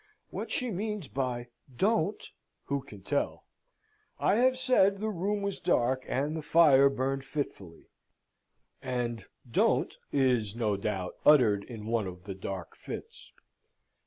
What she means by "Don't" who can tell? I have said the room was dark, and the fire burned fitfully and "Don't" is no doubt uttered in one of the dark fits.